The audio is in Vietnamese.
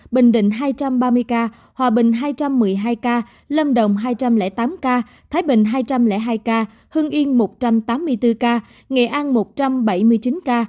bình định hai trăm ba mươi ca hòa bình hai trăm một mươi hai ca lâm đồng hai trăm linh tám ca thái bình hai trăm linh hai ca hưng yên một trăm tám mươi bốn ca nghệ an một trăm bảy mươi chín ca